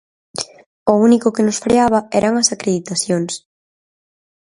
O único que nos freaba eran as acreditacións.